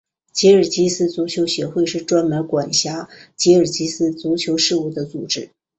吉尔吉斯足球协会是专门管辖吉尔吉斯足球事务的组织。